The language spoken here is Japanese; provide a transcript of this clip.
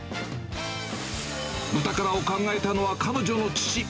ブタカラを考えたのは彼女の父。